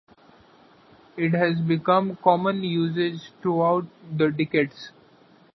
It has become common usage throughout the decades.